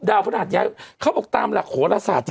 พระหัสย้ายเขาบอกตามหลักโหลศาสตร์